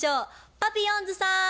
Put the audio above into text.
パピヨンズさん！